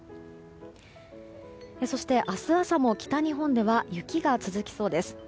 そして、明日朝も北日本では雪が続きそうです。